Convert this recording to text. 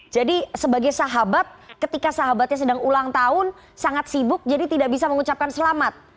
jadi sebagai sahabat ketika sahabatnya sedang ulang tahun sangat sibuk jadi tidak bisa mengucapkan selamat